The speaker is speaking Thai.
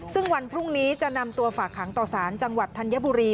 ซึ่งวันพรุ่งนี้จะนำตัวฝากหางต่อสารจังหวัดธัญบุรี